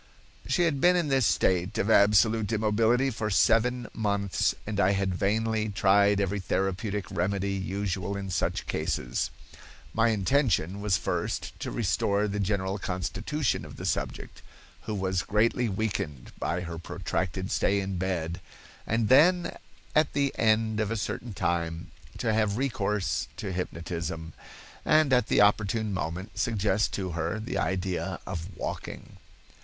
"She had been in this state of absolute immobility for seven months and I had vainly tried every therapeutic remedy usual in such cases. My intention was first to restore the general constitution of the subject, who was greatly weakened by her protracted stay in bed, and then, at the end of a certain time, to have recourse to hypnotism, and at the opportune moment suggest to her the idea of walking.